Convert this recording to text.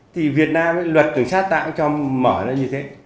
thì việt nam luật đường sắt tạo cho mở ra như thế